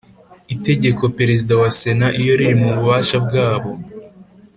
itegeko Perezida wa Sena iyo riri mu bubasha bwa bo